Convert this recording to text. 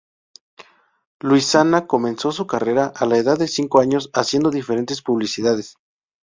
Luisana comenzó su carrera a la edad de cinco años haciendo diferentes publicidades.